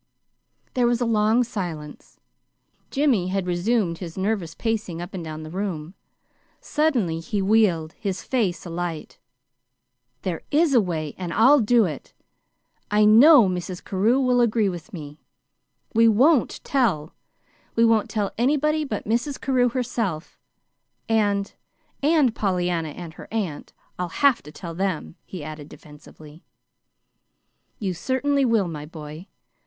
There was a long silence. Jimmy had resumed his nervous pacing up and down the room. Suddenly he wheeled, his face alight. "There IS a way, and I'll do it. I KNOW Mrs. Carew will agree. WE WON'T TELL! We won't tell anybody but Mrs. Carew herself, and and Pollyanna and her aunt. I'll HAVE to tell them," he added defensively. "You certainly will, my boy.